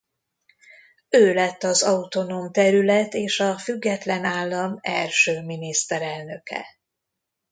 Ő lett az autonóm terület és a független állam első miniszterelnöke.